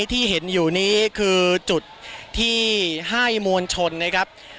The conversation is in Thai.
ที่เห็นอยู่นี้คือจุดที่ให้มวลชนนะครับ